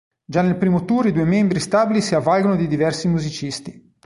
Già nel primo tour i due membri stabili si avvalgono di diversi musicisti.